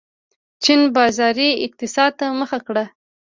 چین بازاري اقتصاد ته مخه کړه.